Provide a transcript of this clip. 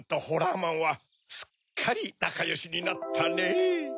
ホラーマンはすっかりなかよしになったねぇ。